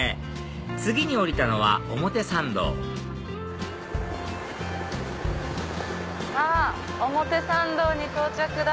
次に降りたのは表参道あ表参道に到着だ！